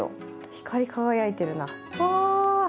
光り輝いているな、わー。